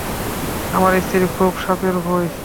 আমার স্ত্রীরও খুব সাপের ভয়।